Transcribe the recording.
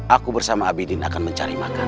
aku bersama abidin akan mencari makan